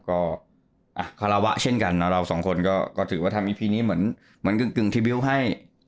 ก็คาราวะเช่นกันนะเราสองคนก็ถือว่าทำอีพีนี้เหมือนกึ่งที่บิวต์ให้